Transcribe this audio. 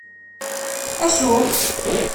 Acu?